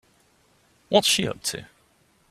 What's she up to?